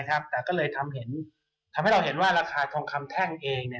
แต่ก็เลยทำให้เราเห็นว่าราคาทองคำแท่งเอง